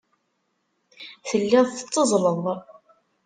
Telliḍ tetteẓẓleḍ.